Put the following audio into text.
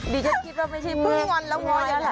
ดีจะคิดว่าไม่ใช่กล้องหวานแล้วง้อยแล้วแหละ